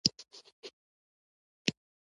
عملیات دې په اروپا کې وشي.